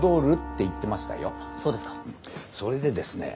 それでですね